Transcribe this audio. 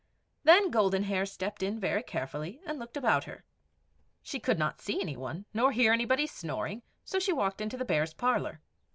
Then Golden Hair stepped in very carefully, and looked about her. She could not see any one, nor hear anybody snoring, so she walked into the Bears' parlour.